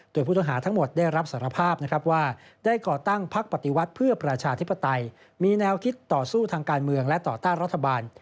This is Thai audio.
โดยผู้ต้องหาทั้งหมดได้รับสารภาพนะครับว่าได้ก่อตั้งพักปฏิวัติเพื่อประชาธิปไตยมีแนวคิดต่อสู้ทางการเมืองและต่อต้านรัฐบาล